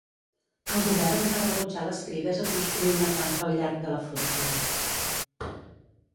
El govern va rebutjar les crides a construir una tanca al llarg de la frontera.